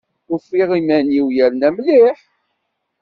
Ufiɣ iman-iw yerna mliḥ.